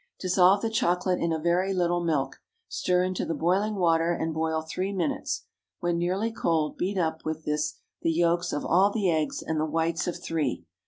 Dissolve the chocolate in a very little milk, stir into the boiling water, and boil three minutes. When nearly cold, beat up with this the yolks of all the eggs and the whites of three.